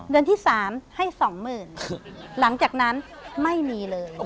เดือนที่๓ให้๒๐๐๐๐หลังจากนั้นไม่มีเลย